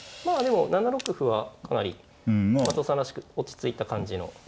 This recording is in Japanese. まぁでも７六歩はかなり松尾さんらしく落ち着いた感じの。